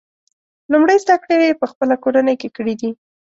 لومړۍ زده کړې یې په خپله کورنۍ کې کړي دي.